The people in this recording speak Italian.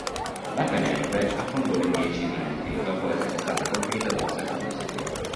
La "Penelope" affondò in dieci minuti, dopo essere stata colpita da un secondo siluro.